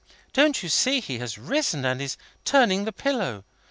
Don't you see he has risen, and is turning the pillow?